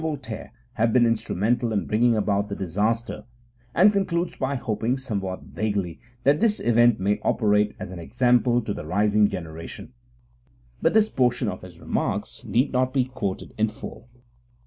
Voltaire may have been instrumental in bringing about the disaster, and concludes by hoping, somewhat vaguely, that this event may 'operate as an example to the rising generation'; but this portion of his remarks need not be quoted in full.